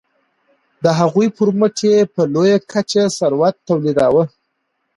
د هغوی پرمټ یې په لویه کچه ثروت تولیداوه.